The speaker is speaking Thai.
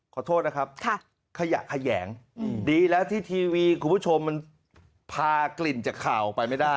ขอโทษนะครับขยะแขยงดีแล้วที่ทีวีคุณผู้ชมมันพากลิ่นจากข่าวไปไม่ได้